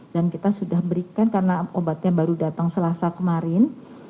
dan kita sudah berikan karena obatnya baru datang selasa kemarin